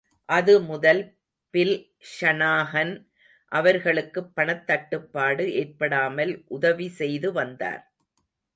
அதுமுதல் Bill Shanahan, அவர்களுக்குப் பணத்தட்டுப்பாடு ஏற்படாமல் உதவிசெய்துவந்தார்.